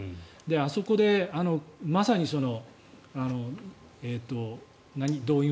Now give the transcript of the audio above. あそこでまさにその。